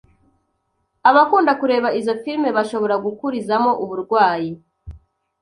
abakunda kureba izo films bashobora gukurizamo uburwayi